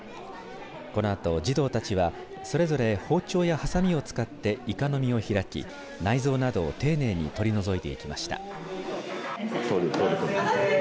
このあと、児童たちはそれぞれ包丁やはさみを使っていかの身を開き内臓などを丁寧に取り除いていきました。